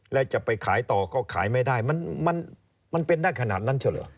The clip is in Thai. แล้วจะไปขายต่อก็ขายไม่ได้มันเป็นได้ขนาดนั้นเฉลอ